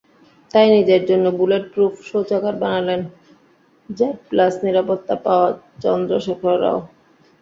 তাই নিজের জন্য বুলেটপ্রুফ শৌচাগার বানালেন জেড প্লাস নিরাপত্তা পাওয়া চন্দ্রশেখর রাও।